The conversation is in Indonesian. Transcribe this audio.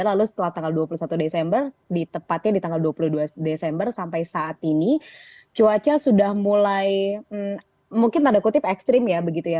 lalu setelah tanggal dua puluh satu desember di tepatnya di tanggal dua puluh dua desember sampai saat ini cuaca sudah mulai mungkin tanda kutip ekstrim ya begitu ya